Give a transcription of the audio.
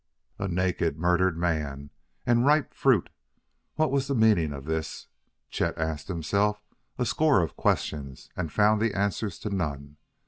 A naked, murdered man! and ripe fruit! What was the meaning of this? Chet asked himself a score of questions and found the answer to none.